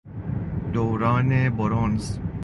دوران برنز